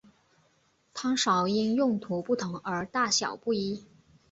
汤勺因用途不同而大小不一。